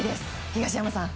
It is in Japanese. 東山さん